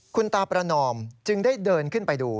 คุณตาประนอมจึงได้เดินขึ้นไปดู